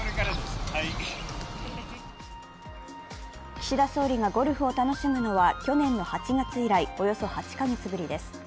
岸田総理がゴルフを楽しむのは去年の８月以来およそ８か月ぶりです。